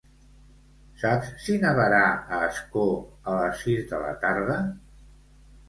Saps si nevarà a Ascó a les sis de la tarda?